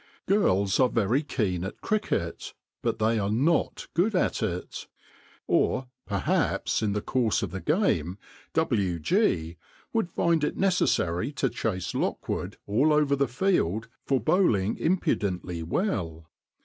Girls are very keen at cricket, but they are not good at it. Or perhaps in the course of the game " W. G. " would find it necessary to chase Lockwood all over the field for bowling impudently well.